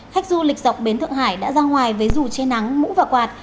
khách du lịch dọc bến thượng hải đã ra ngoài với rủ chê nắng mũ và quạt